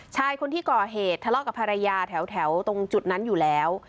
ชายคนที่ก่อเหตุทะเลาะกับภรรยาแถวตรงจุดนั้นอยู่แล้ว